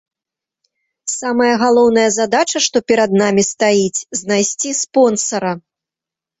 Самая галоўная задача, што перад намі стаіць, знайсці спонсара.